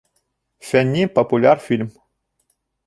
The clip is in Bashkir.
Фәнни-популяр фильм